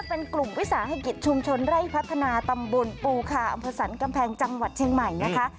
เป็นกลุ่มวิสาหกิจชุมชนไร่พัฒนาตำบลปูคาอำเภอสันกำแพงจังหวัดเชียงใหม่นะคะ